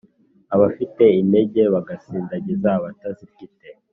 abafite intege bagasindagiza abatazifite